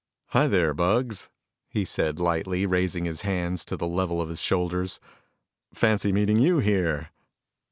"Hi there, Bugs," he said lightly, raising his hands to the level of his shoulders. "Fancy meeting you here."